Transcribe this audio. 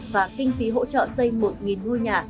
và kinh phí hỗ trợ xây một nuôi nhà